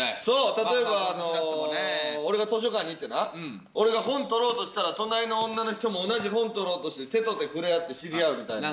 例えば俺が図書館に行ってな俺が本取ろうとしたら隣の女の人も同じ本取ろうとして手と手触れ合って知り合うみたいな。